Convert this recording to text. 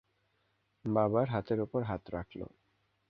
বাবার হাতের ওপর হাত রাখল।